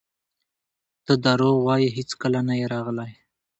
ته درواغ وایې هیڅکله نه یې راغلی!